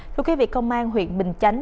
thưa quý vị công an huyện bình chánh